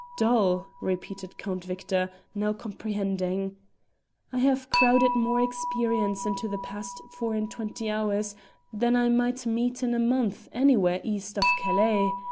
"Dull!" repeated Count Victor, now comprehending; "I have crowded more experience into the past four and twenty hours than I might meet in a month anywhere east of Calais.